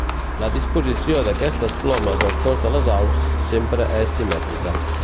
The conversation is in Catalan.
La disposició d'aquestes plomes al cos de les aus, sempre és simètrica.